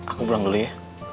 aku pulang dulu ya